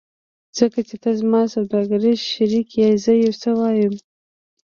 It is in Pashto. ځکه چې ته زما سوداګریز شریک یې زه یو څه وایم